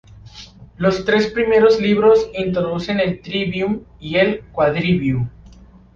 Los tres primeros libros introducen el "trivium" y el "quadrivium".